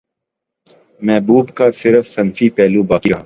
محبوب کا صرف صنفی پہلو باقی رہا